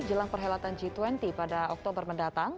jelang perhelatan g dua puluh pada oktober mendatang